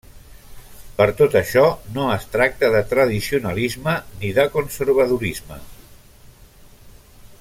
Per tot això, no es tracta de tradicionalisme ni de conservadorisme.